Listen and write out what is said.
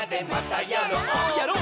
やろう！